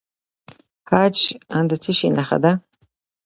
حج د څه نښه ده؟